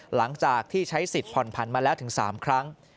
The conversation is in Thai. หลังจากที่ใช้สิทธิ์ผ่อนผันมาแล้วถึง๓ครั้ง